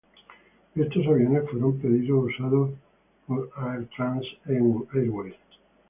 Estos aviones fueron pedidos usados por AirTran Airways.